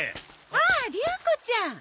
ああ竜子ちゃん。